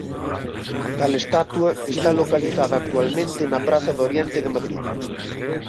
Tal estatua está localizada actualmente na praza de Oriente de Madrid.